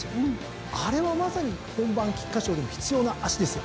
あれはまさに本番菊花賞でも必要な脚ですよ。